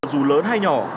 dù lớn hay nhỏ